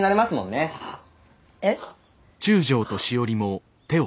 えっ？